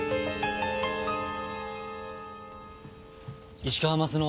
石川鱒乃